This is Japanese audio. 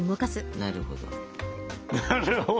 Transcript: なるほど。